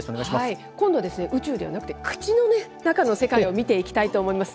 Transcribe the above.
今度は宇宙ではなくて、口の中の世界を見ていきたいと思います。